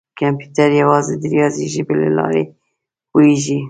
کمپیوټر یوازې د ریاضي ژبې له لارې پوهېږي.